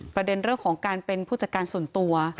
ประเด็นเรื่องของการเป็นผู้จัดการส่วนตัว